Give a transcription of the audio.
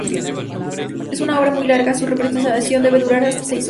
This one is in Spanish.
Es una obra muy larga: su representación debía durar unas seis horas.